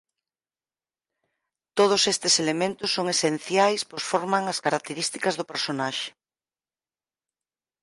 Todos estes elementos son esenciais pois forman as características do personaxe.